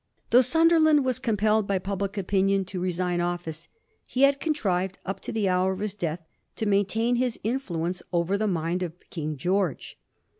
Though Sunderland was compelled by public opinion to re sign office, he had contrived, up to the hour of his death, to maintain his influence over the mind of King Greorge.